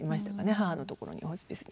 母のところにホスピスに。